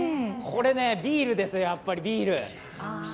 これね、ビールですよ、やっぱりビール。